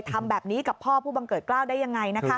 ทำแบบนี้กับพ่อผู้บังเกิดกล้าวได้ยังไง